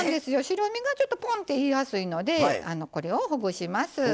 白身がちょっとポンっていいやすいのでこれをほぐします。